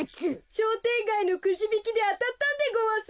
しょうてんがいのくじびきであたったんでごわす。